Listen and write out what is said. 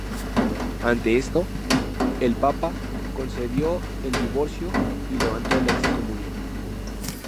Ante esto, el Papa concedió el divorcio y levantó la excomunión.